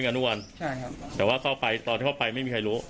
กันทุกวันใช่ครับแต่ว่าเข้าไปตอนที่เข้าไปไม่มีใครรู้